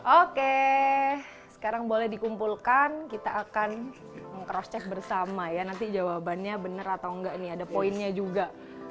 oke sekarang boleh dikumpulkan kita akan cross check bersama ya nanti jawabannya benar atau enggak nih ada poinnya juga